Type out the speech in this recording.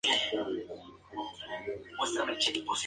El grupo estaba formado por Fermin, Iñigo y Kaki.